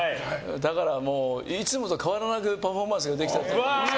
だからいつもと変わらなくパフォーマンスができました。